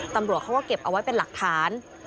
ตำรวจเขาก็เก็บเอาไว้เป็นหลักฐาน